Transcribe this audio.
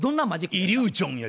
イリュージョンね。